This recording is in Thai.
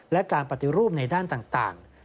และการปฏิรูปในด้านต่าง